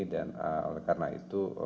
dan karena itu